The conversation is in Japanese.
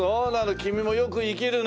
君もよく生きるね。